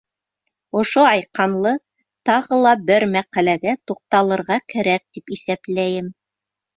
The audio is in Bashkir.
Ошо айҡанлы тағы ла бер мәҡәләгә туҡталырға кәрәк тип иҫәпләйем.